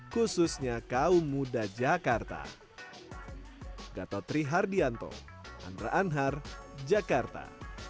khususnya kaum muda jakarta